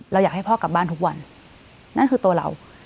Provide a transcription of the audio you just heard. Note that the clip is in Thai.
อยากให้พ่อกลับบ้านทุกวันนั่นคือตัวเรา